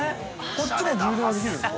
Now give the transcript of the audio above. こっちも充電はできるんですか。